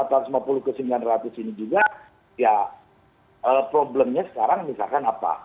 dan empat ratus lima puluh ke sembilan ratus ini juga ya problemnya sekarang misalkan apa